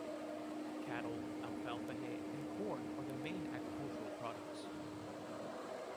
Cattle, alfalfa hay and corn are the main agriculture products.